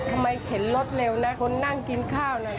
เข็นรถเร็วนะคนนั่งกินข้าวน่ะ